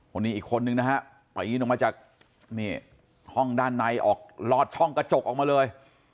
วันนี้อีกคนนึงนะฮะปีนออกมาจากห้องด้านในออกลอดช่องกระจกออกมาเลย